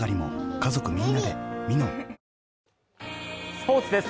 スポーツです。